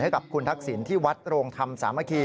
ให้กับคุณทักษิณที่วัดโรงธรรมสามัคคี